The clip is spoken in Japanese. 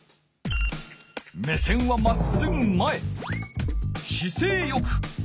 目線はまっすぐ前。